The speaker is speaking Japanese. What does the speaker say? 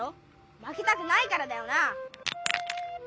まけたくないからだよな？